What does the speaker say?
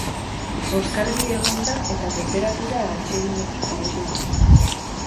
Oskarbi egon da eta tenperatura atseginekin jarraitu dugu.